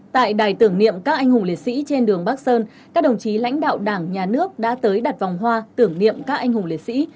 tại đài tưởng niệm các anh hùng liệt sĩ trên đường bắc sơn các đồng chí lãnh đạo đảng nhà nước đã tới đặt vòng hoa tưởng niệm các anh hùng liệt sĩ